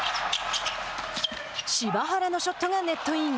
柴原のショットがネットイン。